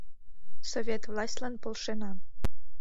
Совет властьлан полшена